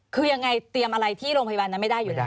คือยังไงเตรียมอะไรที่โรงพยาบาลนั้นไม่ได้อยู่แล้ว